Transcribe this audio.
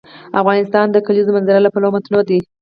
افغانستان د د کلیزو منظره له پلوه متنوع دی.